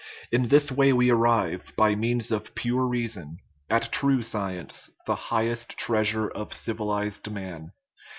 In this way we arrive, by means of pure reason, at true science, the highest treasure of civilized man.